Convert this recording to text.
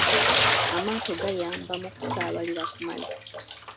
Amaato gayamba mu kusaabalira ku mazzi.